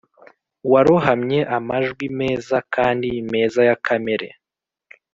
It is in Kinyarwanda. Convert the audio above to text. warohamye amajwi meza kandi meza ya kamere,